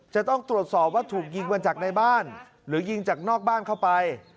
จะต้องตรวจสอบว่าถูกยิงมาจากในบ้านหรือยิงจากนอกบ้านเข้าไป